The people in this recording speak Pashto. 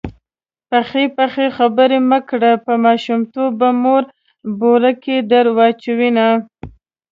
پخې پخې خبرې مه کړه_ په ماشومتوب به مور بورکه در واچوینه